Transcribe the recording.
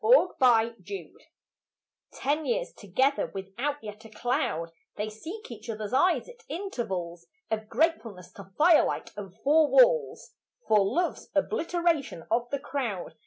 Firelight Ten years together without yet a cloud, They seek each other's eyes at intervals Of gratefulness to firelight and four walls For love's obliteration of the crowd.